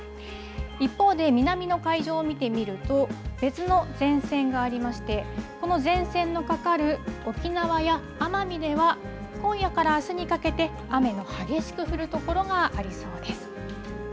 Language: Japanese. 一方で南の海上を見てみると別の前線がありましてこの前線のかかる沖縄や奄美では今夜からあすにかけて雨の激しく降る所がありそうです。